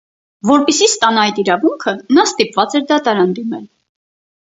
Որպեսզի ստանա այդ իրավունքը, նա ստիպված էր դատարան դիմել։